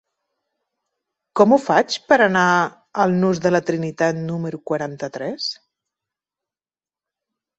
Com ho faig per anar al nus de la Trinitat número quaranta-tres?